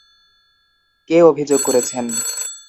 কে অভিযোগ করেছেন?